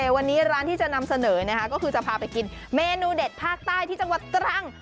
วันนี้ร้านที่จะนำเสนอนะคะก็คือจะพาไปกินเมนูเด็ดภาคใต้ที่จังหวัดตรัง